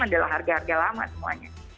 adalah harga harga lama semuanya